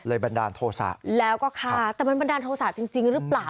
บันดาลโทษะแล้วก็ฆ่าแต่มันบันดาลโทษะจริงหรือเปล่า